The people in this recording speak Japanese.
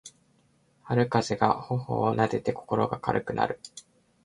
春風が頬をなでて心が軽くなる